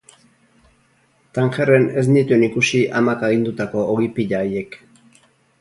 Tangerren ez nituen ikusi amak agindutako ogi pila haiek.